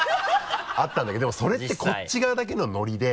あったんだけどでもそれってこっち側だけのノリで。